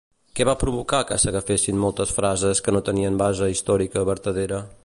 Què va provocar que s'agafessin moltes frases que no tenien base històrica vertadera?